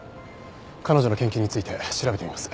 彼女の研究について調べてみます。